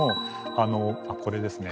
あのこれですね。